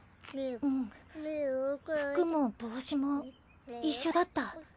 うん服も帽子も一緒だった。